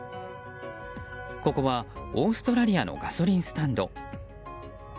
ここはオーストラリアのガソリンスタンド。